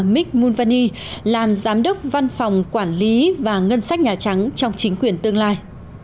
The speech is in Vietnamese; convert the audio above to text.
mick mulvaney làm giám đốc văn phòng quản lý và ngân sách nhà trắng trong chính quyền tương lai